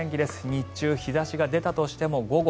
日中、日差しが出たとしても午後。